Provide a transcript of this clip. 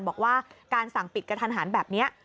บอกว่าการสั่งปิดกระทันหันแบบนี้